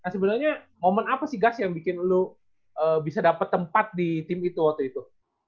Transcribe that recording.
sebenarnya momen apa sih gas yang bikin lo bisa dapat tempat di tim itu waktu itu